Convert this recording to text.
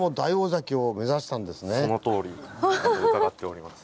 そのとおりだと伺っております。